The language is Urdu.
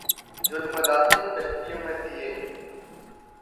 جھلملاتے ہیں کشتیوں میں دیے